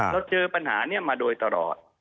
เราเจอปัญหานี้มาโดยตลอด